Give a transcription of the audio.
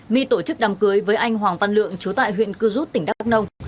my tổ chức đàm cưới với anh hoàng văn lượng chú tại huyện cư rút tỉnh đắk nông